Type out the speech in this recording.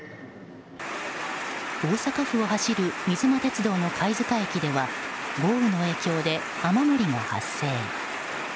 大阪府を走る水間鉄道の貝塚駅では豪雨の影響で雨漏りが発生。